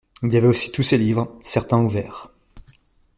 Il y avait aussi tous ces livres, certains ouverts